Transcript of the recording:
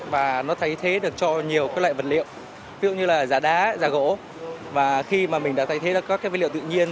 ví dụ như là giả đá giả gỗ và khi mà mình đã thay thế các vật liệu tự nhiên